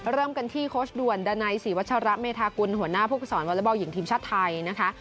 เริ่มกันที่โค้ชด่วนดานัยศรีวัชระเมธากุลหัวหน้าผู้ฝึกสอนวอเล็กบอลหญิงทีมชาติไทยนะคะ